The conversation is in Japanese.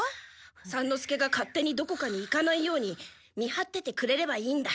三之助が勝手にどこかに行かないように見はっててくれればいいんだ。